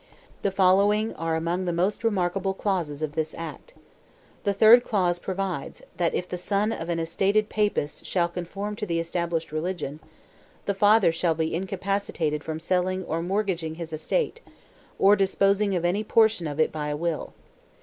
The following are among the most remarkable clauses of this act: The third clause provides, that if the son of an estated Papist shall conform to the established religion, the father shall be incapacitated from selling or mortgaging his estate, or disposing of any portion of it by will.